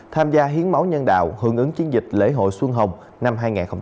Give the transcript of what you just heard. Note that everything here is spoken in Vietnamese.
tham gia hiến máu nhân đạo hưởng ứng chiến dịch lễ hội xuân hồng năm hai nghìn hai mươi